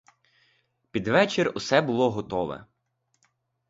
Під вечір усе було готове.